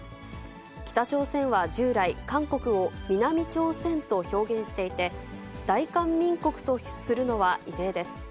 北朝鮮は従来、韓国を南朝鮮と表現していて、大韓民国とするのは異例です。